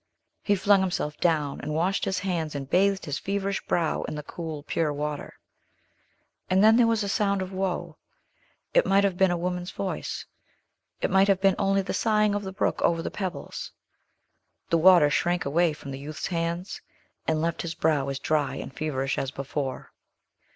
He flung himself down, and washed his hands and bathed his feverish brow in the cool, pure water. And then there was a sound of woe; it might have been a woman's voice; it might have been only the sighing of the brook over the pebbles. The water shrank away from the youth's hands, and left his brow as dry and feverish as before.